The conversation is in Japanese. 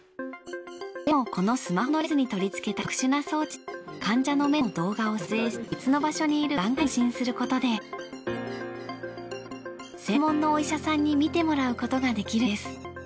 でもこのスマホのレンズに取り付けた特殊な装置で患者の目の動画を撮影し別の場所にいる眼科医に送信することで専門のお医者さんに診てもらうことができるんです。